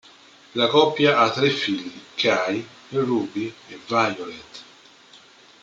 La coppia ha tre figli, Kai, Ruby e Violet.